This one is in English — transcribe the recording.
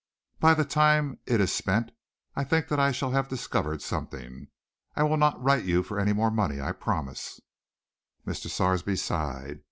By the time it is spent, I think that I shall have discovered something. I will not write you for any more money, I promise." Mr. Sarsby sighed.